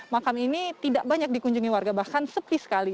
makam ini tidak banyak dikunjungi warga bahkan sepi sekali